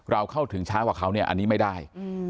เข้าถึงช้ากว่าเขาเนี่ยอันนี้ไม่ได้